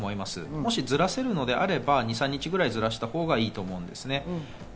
もしずらせるのであれば２３日ぐらいずらしたほうがいいと思います。